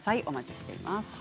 お待ちしています。